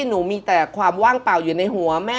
หนูมีแต่ความว่างเปล่าอยู่ในหัวแม่